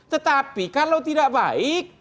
tetapi kalau tidak baik